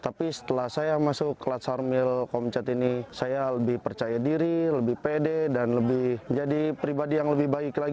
tapi setelah saya masuk kelas armil komcat ini saya lebih percaya diri lebih pede dan lebih menjadi pribadi yang lebih baik lagi